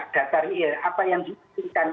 data riil apa yang diinginkan